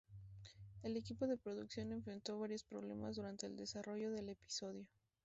El equipo de producción enfrentó varios problemas durante el desarrollo del episodio.